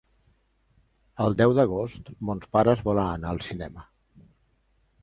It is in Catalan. El deu d'agost mons pares volen anar al cinema.